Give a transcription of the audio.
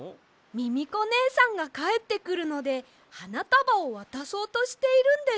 ミミコねえさんがかえってくるのではなたばをわたそうとしているんです！